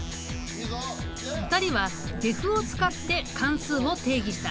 ２人はｄｅｆを使って関数を定義した。